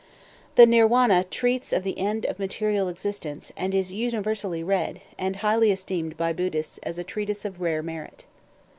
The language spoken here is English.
The "Nirwana" treats of the end of material existence, and is universally read, and highly esteemed by Buddhists as a treatise of rare merit.